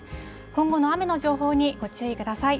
今後の雨の情報にご注意ください。